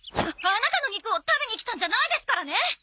アナタの肉を食べに来たんじゃないですからね！